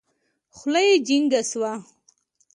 خوله يې جينګه سوه.